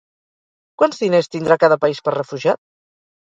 Quants diners tindrà cada país per refugiat?